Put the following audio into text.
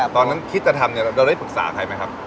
ตอนนั้นคิดจะทำเราได้ปรึกษาใครไหมครับ